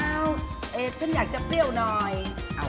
เพราะฉะนั้นถ้าใครอยากทานเปรี้ยวเหมือนโป้แตก